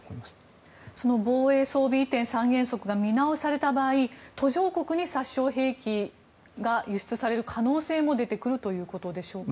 その防衛装備移転三原則が見直された場合途上国に殺傷兵器が輸出される可能性も出てくるということでしょうか。